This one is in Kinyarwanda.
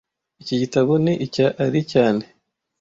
Iki gitabo ni icya Ali cyane